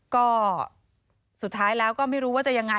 ก็สุดท้ายแล้วก็ไม่รู้ว่าจะยังไง